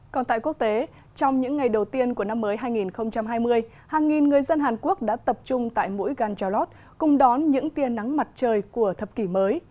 còn tại quốc tế trong những ngày đầu tiên của năm mới hai nghìn hai mươi hàng nghìn người dân hàn quốc đã tập trung tại mũi ganjalot cùng đón những tiên nắng mặt trời của thập kỷ mới